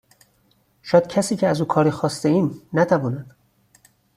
شاید کسی که از او کاری خواسته ایم نتواند